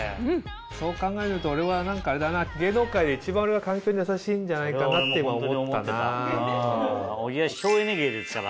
そう考えると俺は何かあれだな芸能界で一番環境にやさしいんじゃないかなって今思ったな。